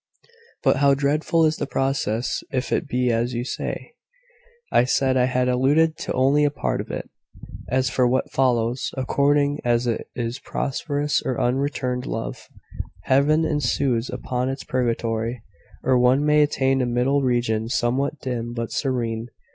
"But how dreadful is the process, if it be as you say!" "I said I had alluded to only a part of it. As for what follows, according as it is prosperous or unreturned love, heaven ensues upon this purgatory, or one may attain a middle region, somewhat dim, but serene.